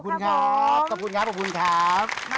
ขอบคุณครับขอบคุณครับขอบคุณครับ